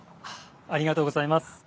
ありがとうございます。